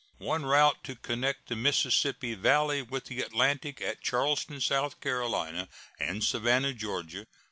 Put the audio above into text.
One route to connect the Mississippi Valley with the Atlantic, at Charleston, S.C., and Savannah, Ga.